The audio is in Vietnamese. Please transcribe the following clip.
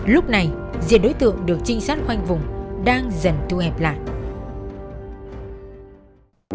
lúc này diện đối tượng được trinh sát khoanh vùng đang dần thu hẹp lại